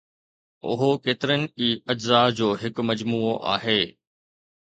اهو ڪيترن ئي اجزاء جو هڪ مجموعو آهي.